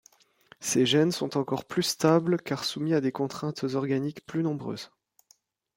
Ces gènes sont encore plus stables car soumis à des contraintes organiques plus nombreuses.